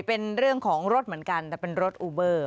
เป็นเรื่องของรถเหมือนกันแต่เป็นรถอูเบอร์